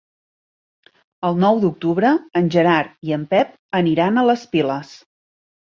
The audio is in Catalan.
El nou d'octubre en Gerard i en Pep aniran a les Piles.